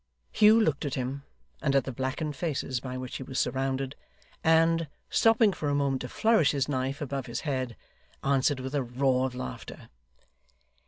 Hugh looked at him, and at the blackened faces by which he was surrounded, and, stopping for a moment to flourish his knife above his head, answered with a roar of laughter.